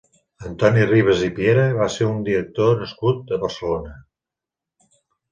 Antoni Ribas i Piera va ser un director nascut a Barcelona.